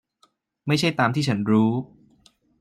ไม่ใช่ตามที่ฉันรู้